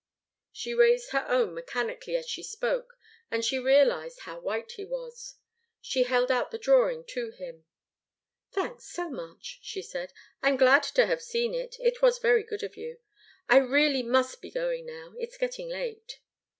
She raised her own mechanically as she spoke, and she realized how white he was. She held out the drawing to him. "Thanks, so much," she said. "I'm glad to have seen it. It was so good of you. I really must be going now. It's getting late."